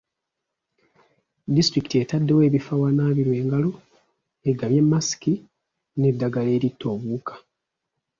Disitulikiti etaddewo ebifo awanaabirwa engalo, egabye masiki n'eddagala eritta obuwuka.